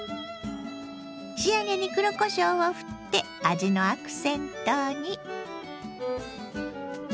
仕上げに黒こしょうをふって味のアクセントに。